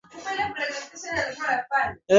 hali ambayo inatajwa na mkurugenzi wa wizara ya afya